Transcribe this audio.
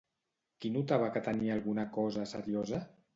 Qui notava que tenia alguna cosa seriosa?